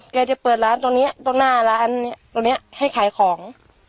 แกจะเปิดร้านตรงนี้ตรงหน้าร้านตรงนี้ให้ขายของ